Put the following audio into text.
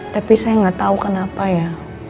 tapi saya nggak tahu kenapa ya